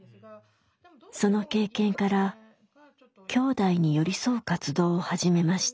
その経験からきょうだいに寄り添う活動を始めました。